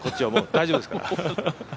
大丈夫ですから。